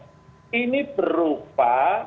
ya ini berupa